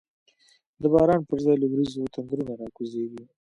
د باران پر ځای له وریځو، تندرونه را کوزیږی